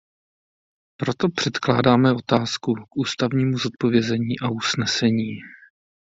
Proto předkládáme otázku k ústnímu zodpovězení a usnesení.